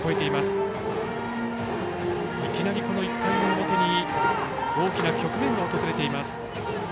いきなり１回の表に大きな局面が訪れています。